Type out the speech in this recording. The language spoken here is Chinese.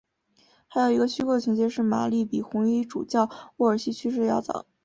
还有一个虚构的情节是玛丽比红衣主教沃尔西去世的要早。